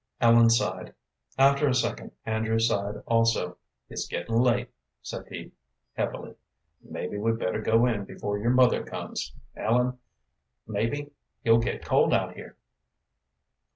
Ellen sighed. After a second Andrew sighed also. "It's gettin' late," said he, heavily; "mebbe we'd better go in before your mother comes, Ellen. Mebbe you'll get cold out here."